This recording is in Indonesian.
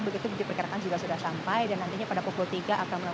begitu diperkirakan sudah sampai dan nantinya pada pukul tiga akan menemukan ya